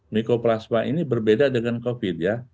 mikroplasma ini berbeda dengan covid ya